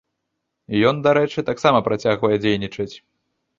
Ён, дарэчы, таксама працягвае дзейнічаць.